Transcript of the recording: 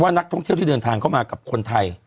ว่านักท่องเที่ยวเข้ามากับคนไทย